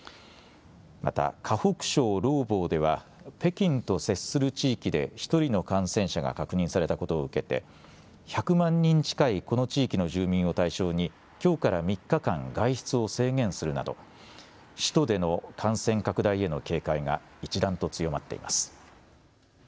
また河北省廊坊では北京と接する地域で１人の感染者が確認されたことを受けて１００万人近いこの地域の住民を対象にきょうから３日間外出を制限するなど首都での感染拡大への警戒が一段と強まっています。